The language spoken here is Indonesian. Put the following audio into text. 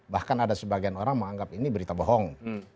bahkan ada sebagian orang menganggap ini berita bohong